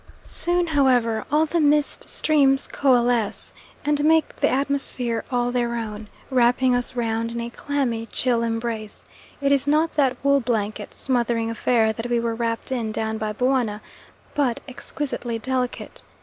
Soon, however, all the mist streams coalesce and make the atmosphere all their own, wrapping us round in a clammy, chill embrace; it is not that wool blanket, smothering affair that we were wrapped in down by Buana, but exquisitely delicate.